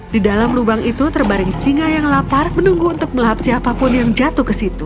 di dalam lubang itu terbaring singa yang lapar menunggu untuk melahap siapapun yang jatuh ke situ